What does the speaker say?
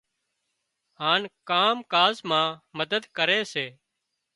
هانَ ڪام ڪاز مان مدد ڪري۔